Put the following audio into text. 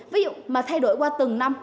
ví dụ mà thay đổi qua từng năm